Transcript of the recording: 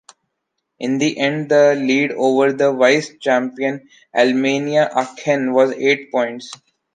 In the end the lead over the Vice Champion Alemannia Aachen was eight points.